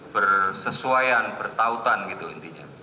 bersesuaian pertautan gitu intinya